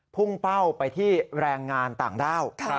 พุ่งเป้าไปที่แรงงานต่างด้าว